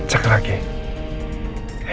handphonennya pasti dimatiin